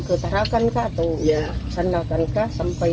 ke tarakan kah atau sandalkan kah sampai